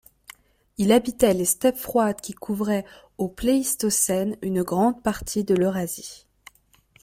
Il habitait les steppes froides qui couvraient au Pléistocène une grande partie de l'Eurasie.